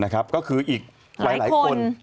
ก็คืออีกหลายคน